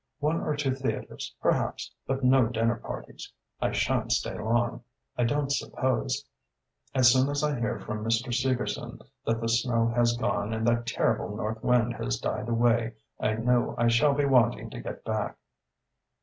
One or two theatres, perhaps, but no dinner parties. I shan't stay long, I don't suppose. As soon as I hear from Mr. Segerson that the snow has gone and that terrible north wind has died away, I know I shall be wanting to get back."